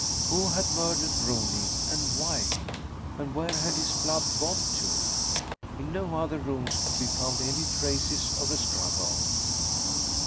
Who had murdered Rooney, and why? And where had his blood gone to? In no other rooms could be found any traces of a struggle.